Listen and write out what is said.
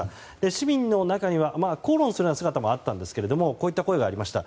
市民の中には、口論するような姿もあったんですがこういった声がありました。